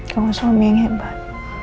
kamu suami yang hebat